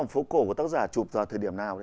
phố cổ của tác giả chụp vào thời điểm nào đấy ạ